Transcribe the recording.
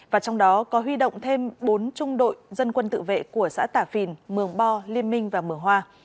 và trong đó có huy động thêm bốn trung đội dân quân tự vệ của xã tả phìn mường bo liên minh và mường hoa